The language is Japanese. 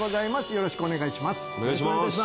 よろしくお願いします